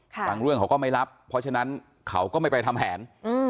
บางเรื่องเขาก็ไม่รับเพราะฉะนั้นเขาก็ไม่ไปทำแผน